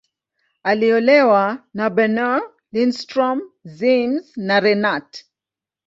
Aliolewa na Bernow, Lindström, Ziems, na Renat.